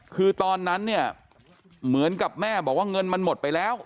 คือตอนนั้นเนี่ยเหมือนกับแม่บอกว่าเงินมันหมดไปแล้ว